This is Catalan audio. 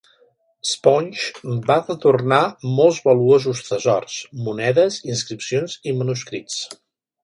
Sponge va retornar molts valuosos tresors, monedes, inscripcions i manuscrits.